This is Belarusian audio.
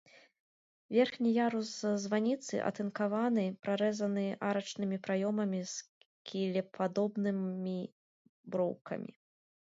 Верхні ярус званіцы, атынкаваны, прарэзаны арачнымі праёмамі з кілепадобнымі броўкамі.